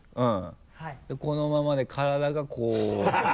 このままで体がこう。